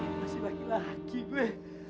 masih lagi lagi gue